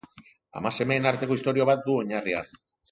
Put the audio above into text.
Ama-semeen arteko istorio bat du oinarrian.